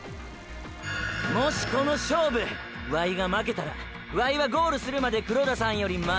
もしこの勝負ワイが負けたらワイはゴールするまで黒田さんより前には出ん。